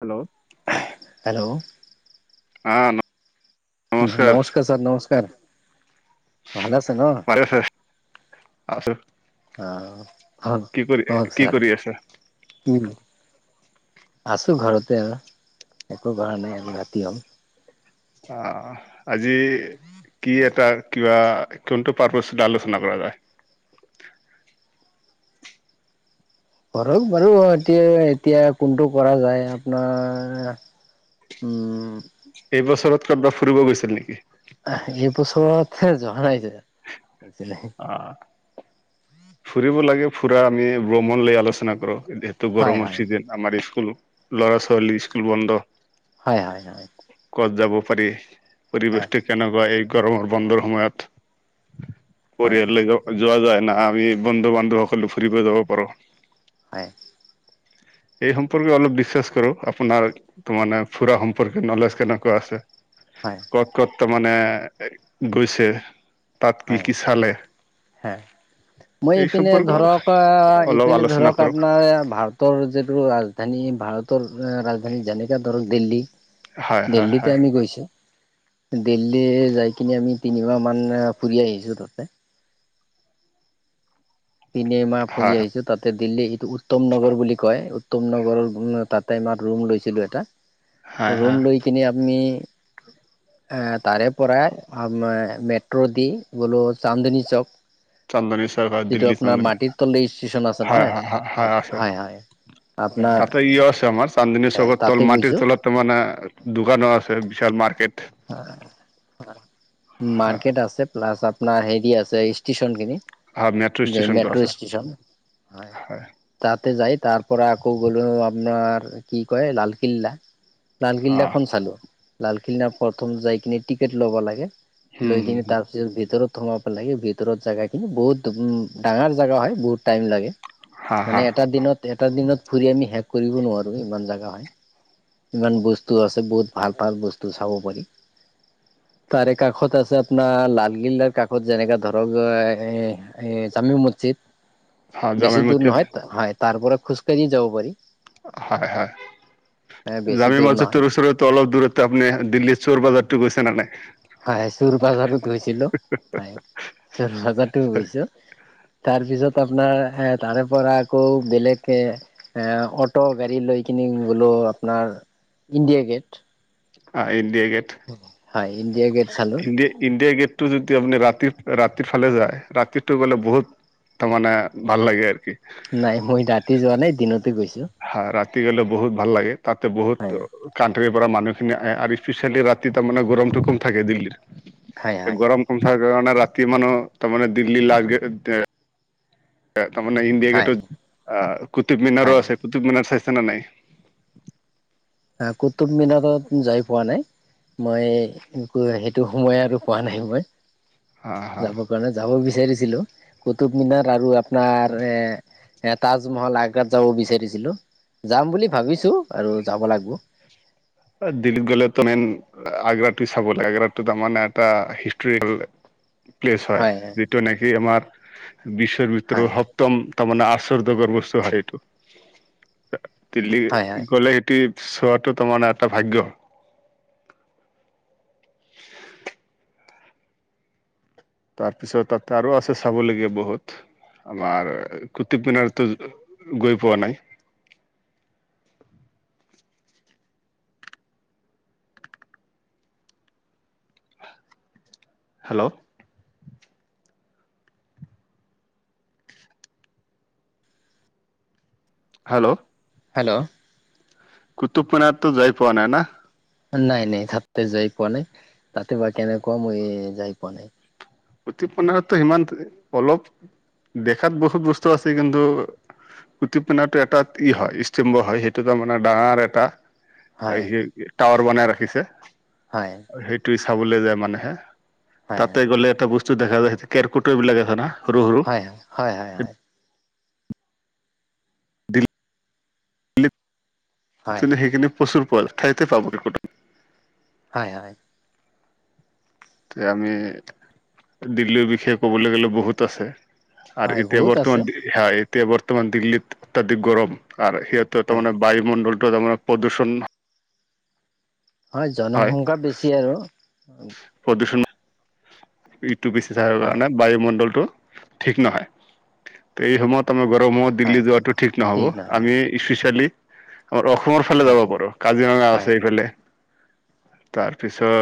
Hello, hello, অ', [unintelligible] নমস্কাৰ sir নমস্কাৰ। ভালে আছে ন, ভালে আছে আছো অ, কি কৰি [unintelligible] কি ছাৰ কৰি আছা? কি, আছোঁ ঘৰতে আৰ একো কৰা নাই আৰু ৰাতি [unintelligible] অ', আজি, কি এটা কিবা কোনটো পাৰ্পছ আলোচনা কৰা যায়? কৰক বাৰু তি-এতিয়া কোনটো কৰা যায় আপোনাৰ উম এইবছৰত কতবা ফুৰিব গৈছিল নেকি? এইবছৰত হে যোৱা নাই দে [unintelligible] অ', ফুৰিব লাগে ফুৰা আমি ভ্ৰমণ লৈ আলোচনা কৰো, যিহেতু হয় গৰমৰ হয় চিজিন। আমাৰ স্কুল, ল'ৰা-ছোৱালী স্কুল বন্ধ। হয় হয়, হয়, ক'ত যাব পাৰি হয় পৰিৱেশটো কেনেকুৱা এই গৰমৰ বন্ধৰ সময়ত, হয় পৰিয়াল লৈ যা যোৱা যায় না আমি বন্ধু বান্ধৱসকলো ফুৰিব যাব পাৰোঁ। হয়, এই সম্পৰ্কে অলপ ডিচকাছ কৰোঁ আপোনাৰ, ত' মানে ফুৰা সম্পৰ্কে নলেজ কেনেকুৱা আছে। হয়, ক'ত ক'ত তাৰমানে, গৈছে। তাত কি হয় কি চালে। হয় মই এই ইপিনে সম্পৰ্কে ধৰক আহ অলপ ইপিনে আলোচনা ধৰক কৰোঁ আপোনাৰ ভাৰ তৰ যিটো ৰাজধানী ভাৰতৰ ৰাজধানী যেনেকে ধৰক দিল্লী। হয় হয় দিল্লীতে হয় আমি গৈছো, দিল্লী যাই কিনে আমি তিনিমাহ মান ফুৰি আহিছোঁ তাতে। পিনে মাহ হয় ফুৰি আহিছো তাত টেক্সদিল্লী এইটো উত্তম নগৰ বুলি কয় উত্তম নগৰৰ উম, তাতে আমাৰ ৰুম লৈছিলো এটা। হয় ৰুম হয় লৈ কিনে আপনি এ তাৰে পৰাই আ মেট্ৰ' দি, গ'লো চান্দনী চক। চান্দনি [unintelligible] যিটো দিল্লী আপোনাৰ চানদনি মাটিৰ তল ষ্টেচন আছে হয়, নহয় হয়, হয়, আছে। হয় আপোনাৰ তাতে ইয়ো আছে আমাৰ চান্দনী চৌকত তাতে তল মাটিৰ গৈছো তলত ত' মানে, দোকানো আছে বিশাল মাৰ্কেট। হয়, হয়, মাৰ্কেট আছে। প্লাছ আপোনাৰ হেৰি আছে ষ্টিচন খিনি। হয় মেট্ৰ' যে ষ্টেচনটো আছে মেট্ৰ' ষ্টেশন, হয়। তাতে যাই তাৰ পৰা আকৌ গ'লো আপোনাৰ, কি কয় লালকিল্লা। অ লালকিল্লনাখন চালো, লালকিল্লা প্ৰথম যাই কিনে টিকেট ল'ব লাগে। হম লৈ কিনে হম তাৰপিছত ভিতৰত [unintelligible] লাগে ভিতৰত জেগাখিনি বহুত উম ডাঙাৰ জেগা হয় বহুত টাইম লাগে। হা মানে হা এটা দিনত এটা দিনত ফুৰি আমি শেষ কৰিব নোৱাৰো ইমান জোগা হয়। ইমান বস্তু আছে বহুত ভাল ভাল বস্তু চাব পাৰি। তাৰে কাষত আছে আপোনাৰ, লালকিল্লাৰ কাষত যেনেকা ধৰক [unintelligible] এ জামি মছজিদ, হা জামে বেছি দূৰ মছজিদ নহয় হয় তাৰ পৰা খোজকাঢ়ি যাব পাৰি। হয় হয়, বেছি জামি দূৰ মছজিদ নহয় তোৰ ওচৰতো অলপ দূৰত আপুনি দিল্লীৰ চোৰ বজাৰতো গৈছা নে নাই? হয় চোৰ বাজাৰত গৈছিলো, হয় চোৰ বাজাৰটো গৈছো। তাৰপিছত আপোনাৰ এ তাৰে পৰা আকৌ বেলেগকে এ অটো গাড়ী লৈ কিনি গলো আপোনাৰ, ইণ্ডিয়া গেট। অ' ইণ্ডিয়া গেট। হয় ইণ্ডিয়া গেট চালোঁ। ইণ্ডিয়া ইণ্ডিয়া গেটটো যদি আপুনি ৰাতি ৰাতিৰ ফালে যায় ৰাতিটো গ'লে বহুত তাৰ মানে ভাল লাগে আৰু কি? নাই মই ৰাতি যোৱা নাই দিনতে গৈছোঁ। হা ৰাতি হ'লে বহুত ভাল লাগে তাতে বহুত হয় কাণ্ট্ৰিৰ পৰা মানুহখিনি আহে আৰু স্পেচিয়েলি ৰাতি তাৰমানে গৰমটো কম থাকে দিল্লীৰ। হয় হয় গৰম কম থাকাৰ কাৰণে ৰাতি মানুহ তাৰমানে দিল্লী লাছ গেট তাৰমানে ইণ্ডিয়া হয় গেটত অ' কুটুব মিনাৰো হয় আছে কুটুব মিনাৰ চাইছা নে নাই? হা কুটুব মিনাৰত যাই পোৱা নাই। মই সেইটো সময় আৰু পোৱা নাই মই। হা-হা। মানে যাব বিচাৰিছিলোঁ কুটুব মিনাৰ আৰু আপোনাৰ এ এ তাজমহল আগ্ৰাত যাব বিচাৰিছিলোঁ যাম বুলি ভাবিছোঁ আৰু যাব লাগিব। দিল্লীত গ'লেতো [unintelligible] আগ্ৰাটো চাব লাগে আগ্ৰাটো তাৰ মানে এটা হিষ্টৰিকেল প্লেছ হয় যিটো নেকি আমাৰ বিশ্বৰ ভিতৰত হয় সপ্তম তাৰমানে আশ্বৰ্যকৰ বস্তু হয় এইটো দিল্লী হয় হয় গ'লে সেইটো চোৱাটো তাৰমানে এটা ভাগ্য। তাৰপিছত তাত আৰু আছে চাবলগীয়া বহুত। আমাৰ কুটুব মিনাৰতো গৈ পোৱা নাই। হেল্ল', হেল্ল', হেল্ল', কুটুব মিনাৰটো যাই পোৱা নাই না? নাই-নাই তাতে যাই পোৱা নাই তাতে বা কেনেকুৱা মই যাই পোৱা নাই। কুটুব মিনাৰটো সিমান অলপ দেখাত বহুত বস্তু আছে কিন্তু কুটুব মিনাটো এটা ই হৈ ইষ্টম্ভ হয় সেইটো তাৰ মানে ডাঙৰ এটা হয় টাৱাৰ বনাই ৰাখিছে। হয়। সেইটো চাবলৈ যায় মানুহে হয় তাতে গ'লে এটা বস্তু দেখা যায় কেৰ্কেটুৱা বিলাক আছে না সৰ- সৰু হয়-হয়-হয়-হয়। হয় সেইখিনি প্ৰচুৰ পোৱা যায় ঠাইতে পাব কুটুব হয়-হয়। এতিয়া আমি দিল্লীৰ বিষয়ে ক'বলৈ গ'লে বহুত আছে। আৰু হয় এতিয়া বহুত আছে বৰ্তমান হা এতিয়া বৰ্তমান দিল্লীত অত্যাধিক গৰম। আৰু সিহঁতৰ হয় তাৰমানে বায়ুমণ্ডলটো তাৰ মানে প্ৰদূষণ হয় জনসংখ্যা বেছি আৰু প্ৰদূষণ এইটো বেছি থকাৰ হয় কাৰণে বায়ুমণ্ডলটো ঠিক নহয় সেই সময়ত আমাৰ গৰমত হয় দিল্লী যোৱাটো ঠিক নহ'ব নাই হয় আমি স্পেচিয়েলি আমাৰ অসমৰ ফালে হয় যাব পাৰোঁ কাজিৰঙা হয় আছে এইফালে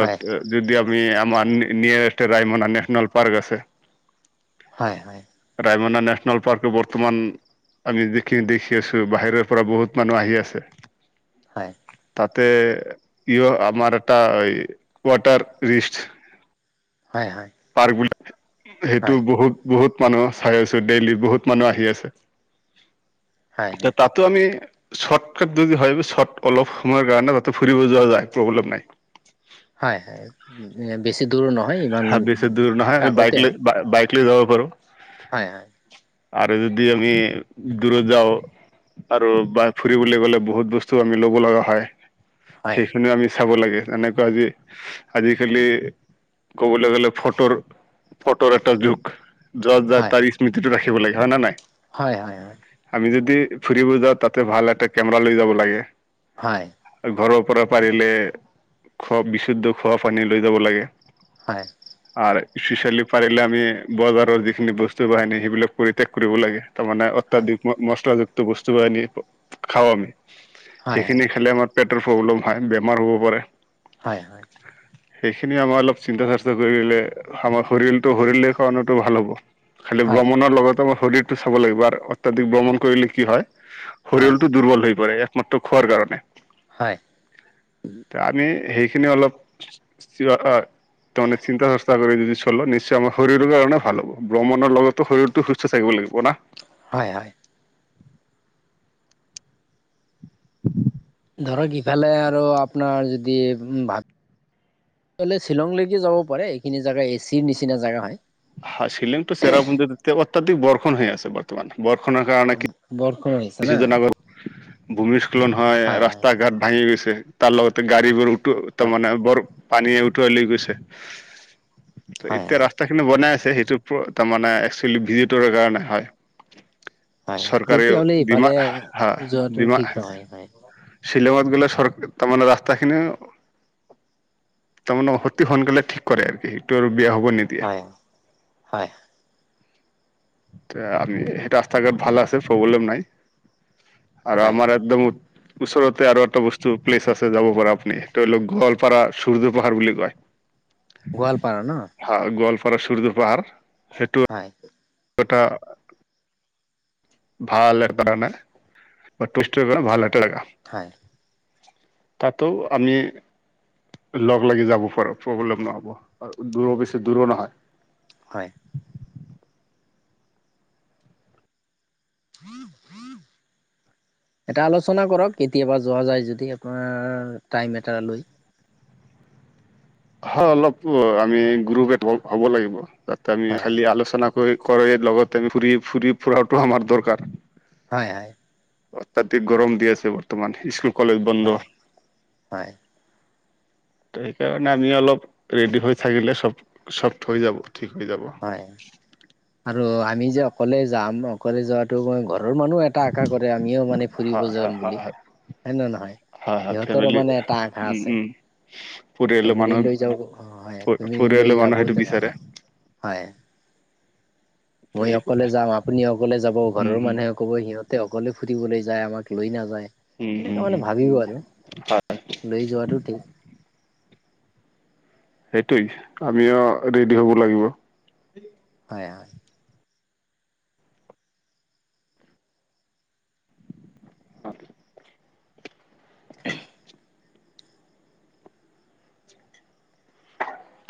হয় যদি আমি আমাৰ নিয়াৰেষ্ট ৰায়মনা নেশ্যনেল পাৰ্ক আছে। হয়-হয়। ৰায়মনা নেচেনেল পাৰ্কটো বৰ্তমান আমি দেখি-দেখি আছোঁ বাহিৰৰ পৰা বহুত মানুহ আহি আছে। হয় তাতে ইয়ো আমাৰ এটা ৱাটাৰ ৰিষ্ট হয়-হয়। পাৰ্ক বুলি সেইটো বহুত বহুত মানুহ চাই আছো ডেইলি বহুত মানুহ আহি আছে হয় তে হয় তাত ত' আমি চৰ্ট কাট যদি হয় চৰ্ট অলপ সময়ৰ কাৰণে তাতো ফুৰিব যোৱা যায় প্ৰব্লেম নাই। হয়- হয় [unintelligible] বেছি দূৰ নহ হয় বেছি দূৰ নহয় বাইক ল- বাইক লৈ যাব পাৰো। হয়- হয় আৰু যদি আমি দূৰত যাওঁ আৰু বা ফুৰিবলৈ গ'লে বহুত বস্তু আমি ল'ব লাগা হয় হয় সেইখিনিও আমি চাব লাগে এনেকা আজি আজিকালি ক'বলৈ গ'লে ফটোৰ- ফটোৰ এটা যুগ য'ত যা হয় তাৰ স্মৃতি টো ৰাখি ৰাখিব লাগে হয় না নাই? হয়- হয়-হয়। আমি যদি ফুৰিব যাওঁ তাতে ভাল এটা কেমেৰা লৈ যাব লাগে। হয় ঘৰৰ পৰা পাৰিলে খোৱা বিশুদ্ধ খোৱা পানী লৈ যাব লাগে। হয়। আৰ ইস্পিচিয়েলি পাৰিলে আমি বজাৰৰ যিখিনি বস্তু বাহিনী সেইবিলাক পৰিত্যাগ কৰিব লাগে তাৰ মানে হয় অত্যাধিক মছলাযুক্ত বস্তু বা আনি খাওঁ আমি। হয় সেইখিনি খালে আমাৰ পেটৰ ফব্লেম হয় বেমাৰ হ'ব পাৰে। হয়- হয় সেইখিনি আমাৰ অলপ চিন্তা চৰ্চা কৰিলে আমাৰ শৰীৰলটো শৰীলে কাৰণটো ভাল হ'ব। খালি ভ্ৰমণৰ লগতে মই শৰীৰটো চাব লাগিব আৰু অত্যাধিক ভ্ৰমণ কৰিলে কি হয় শৰীৰলতো দুৰ্বল হৈ পৰে একমাত্ৰ খোৱাৰ কাৰণে। হয়। তে আমি সেইখিনি অলপ [unintelligible] তাৰমানে চিন্তা চচা কৰি যদি চল নিশ্চয় আমাৰ শৰীৰৰ কাৰণে ভাল হ'ব ব্ৰমণৰ লগতো শৰীৰটো সুস্থ থাকিব লাগিব না। হয় -হয়। ধৰক ইফালে আৰু আপনাৰ যদি ভা গ'লে শ্বিলংলৈকে যাব পাৰে এইখিনি জেগা এচিৰ নিচিনা জেগা হয়। হয় শিলিংটো চেৰাপুঞ্জিত এতিয়া অত্যাধিক বৰ্ষণ হৈ আছে বৰ্তমান বৰ্ষণৰ কাৰণে কি বৰষুণ না কিছুদিন আগত ভূমিস্খলন হয় ৰাস্তা ঘাট ভাঙি গৈছে তাৰ লগতে গাড়ী বোৰো টো তাৰ মানে বৰ পানীয়ে উটোৱাই লৈ গৈছে ত'এতিয়া ৰাস্তা কিন্তু বনাই আছে সেইটো তাৰ মানে একচুৱেলি ভিজিটৰ কাৰণে হয়। হয় চৰকাৰেও তেতিয়াহলে ডিমা ইফালে হা যোৱাটো ডিমা ঠিক নহয় হয়। শ্বিলঙত গ'লে চৰ তাৰমানে ৰাস্তাখিনি তাৰমানে অতি সোনকালে ঠিক কৰে আৰ কি সেইটো আৰু বেয়া হব নিদে এ হয়। তে আমি সেইটো ৰাস্তা -ঘাট ভাল আছে প্ৰব্লেম নাই আৰু হয় আমাৰ একদম ওচৰতে আৰু এটা বস্তু প্লেচ আছে যাব পাৰা আপনি ধৰি লওক গোৱালপাৰা ছোৰ্য পাহাৰ বুলি কয়। [inaudible] গোৱালপাৰা ন? হা গোৱালফাৰা সূৰ্য পাহাৰ সেইটো হয়। এটা ভাল এৰকাৰনে অ, টোৰিষ্টৰ কাৰনে ভাল এটা জাগা। হয়। তাতো আমি লগ- লাগি যাব ফাৰো প্ৰব্লেম নহ'ব আৰু দূৰো বেছি দূৰো নহয়। হয়। [inaudible] এটা আলোচনা কৰক কেতিয়াবা যোৱা যায় যদি আপোনাৰ টাইম এটা লৈ। হয় অলপ আমি গুৰুবেত হ হ'ব লাগিব, তাতে আমি হয় খালি আলোচনা কৰে লগতে আমি ফুৰি ফুৰি ফুৰাটো আমাৰ দৰকাৰ। হয় হয়। অত্যাধিক গৰম দি আছে বৰ্তমান স্কুল কলেজ বন্ধ। হয় হয় হয়। ত সেইকাৰণে আমি অলপ ৰেডি হৈ থাকিলে চব চফট হৈ যাব ঠিক হৈ যাব। হয়, আৰু আমি যে অকলে যাম অকলে যোৱাটো মই ঘৰৰ মানুহ এটা আশা কৰে আমিও মানে ফুৰিব হয় যাম হয় বুলি। হয় হয় নে নহয়? হয় হয় সিহঁতৰো ফেমিলি মানে এটা আশা উম আছে। উম পৰিয়ালৰ ফেমিলি মানুহ লৈ যাব অ হয় ফেমিলি লৈ পৰিয়ালৰ মানুহ সেইটো যাবলে ভাল বিচাৰে হয়। ত মই সেই অকলে যাম আপুনি অকলে যাব উম ঘৰৰ হম মানুহে ক'ব সিহতে অকলে ফুৰিবলৈ যায় আমাক লৈ নাযায়। উম হম এনেকা মানে হম ভাবিব আৰু হয় লৈ যোৱাটো ঠিক সেইটোৱে আমিও ৰেডি হ'ব লাগিব। হয় হয়। [inaudible] [unintelligible]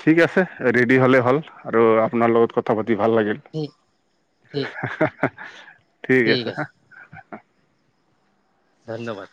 ঠিক আছে ৰেডি হ'লে হ'ল আৰু আপোনাৰ লগত কথা পাতি ভাল লাগিল। উম ঠিক আছে। ধন্যবাদ।